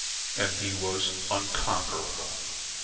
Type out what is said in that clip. And he was unconquerable.